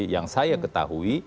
yang saya ketahui